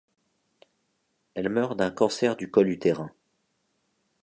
Elle meurt d'un cancer du col utérin.